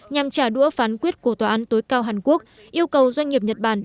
nhằm trả đũa phán quyết của tòa án tối cao hàn quốc yêu cầu doanh nghiệp nhật bản